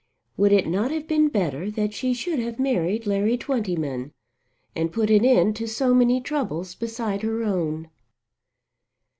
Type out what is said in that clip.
Would it not have been better that she should have married Larry Twentyman and put an end to so many troubles beside her own?